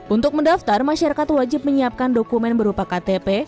untuk mendaftar masyarakat wajib menyiapkan dokumen berupa ktp